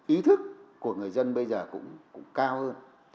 ý thức của người dân bây giờ cũng cao hơn